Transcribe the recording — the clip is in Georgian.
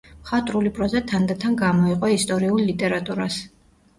მხატვრული პროზა თანდათან გამოეყო ისტორიულ ლიტერატურას.